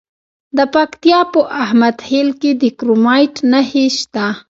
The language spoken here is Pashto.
د پکتیا په احمد خیل کې د کرومایټ نښې شته.